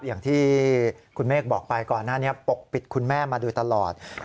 อย่างที่คุณเมฆบอกไปก่อนหน้านี้ปกปิดคุณแม่มาโดยตลอด